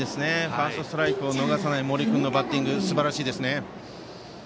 ファーストストライクを逃さない森君のバッティングすばらしいですね。